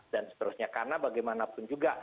dan seterusnya karena bagaimanapun juga